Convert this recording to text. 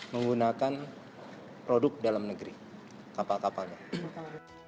menggunakan produk dalam negeri kapal kapalnya